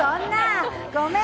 ごめん！